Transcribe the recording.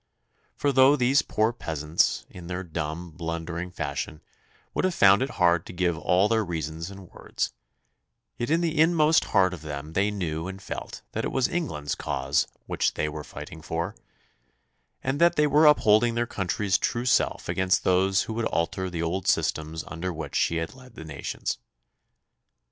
For though these poor peasants, in their dumb, blundering fashion, would have found it hard to give all their reasons in words, yet in the inmost heart of them they knew and felt that it was England's cause which they were fighting for, and that they were upholding their country's true self against those who would alter the old systems under which she had led the nations.